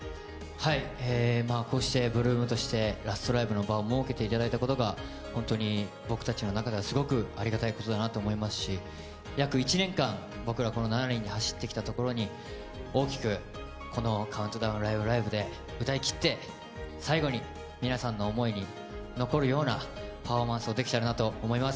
こうして８ＬＯＯＭとしてラストライブの場を設けていただいたことがほんとに僕たちの中ではありがたいことだなと思いますし約１年間、僕らこの７人で走ってきたところに大きく、この「ＣＤＴＶライブ！ライブ！」で歌いきって、最後に皆さんの思いに残るようなパフォーマンスができたらいいなと思います。